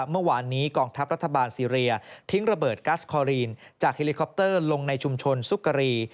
เมื่อวานนี้กองทัพรัฐบาลซีเรียทิ้งระเบิดกัสคอรีนจากเฮลิคอปเตอร์ลงในชุมชนซุกรี